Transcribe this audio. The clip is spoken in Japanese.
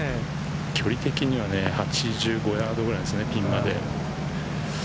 距離的にはね、８５ヤードぐらいなんですね、ピンまで。